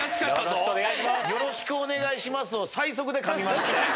よろしくお願いします。